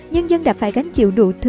nhân dân đã phải gánh chịu đủ thương hiệu